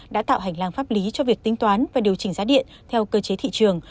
đã tạo hành lang pháp lý cho việc tính toán và điều chỉnh giá điện theo cơ chế thị trường